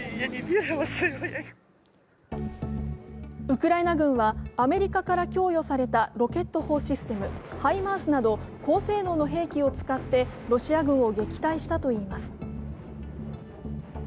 ウクライナ軍はアメリカから供与されたロケット砲システム、ハイマースなど高性能の兵器を使ってロシア軍を撃退したといいます。